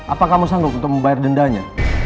apa kamu sanggup untuk membayar dendanya